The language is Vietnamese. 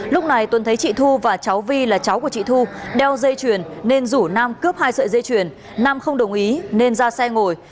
lúc này tuấn thấy chị thu và cháu vi là cháu của chị thu đeo dây chuyền nên rủ nam cướp hai sợi dây chuyền nam không đồng ý nên ra xe ngồi